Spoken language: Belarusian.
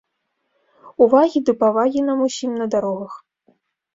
Увагі ды павагі нам усім на дарогах!